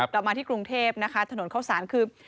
เรามาที่กรุงเทพฯถนนเข้าศาลคือ